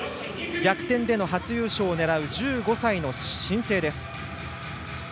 逆転での初優勝を狙う１５歳の新星です。